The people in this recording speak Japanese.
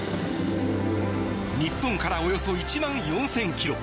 日本からおよそ１万４０００ｋｍ。